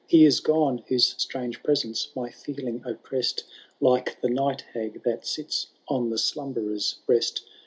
He is gone, whose strange presenoe my fbeUng op pressM, Like the night hag that sits on the slmnbererVi breast.